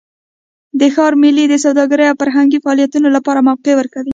د ښار میلې د سوداګرۍ او فرهنګي فعالیتونو لپاره موقع ورکوي.